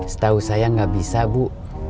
setahu saya nggak bisa bu